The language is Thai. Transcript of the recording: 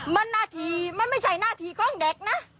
มันนาทีมันไม่ใช่หน้าที่ของเด็กนะ